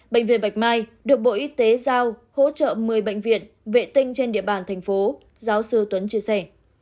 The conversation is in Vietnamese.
bệnh viện bạch mai được bộ y tế giao hỗ trợ một mươi bệnh viện vệ tinh trên địa bàn thành phố giáo sư tuấn chia sẻ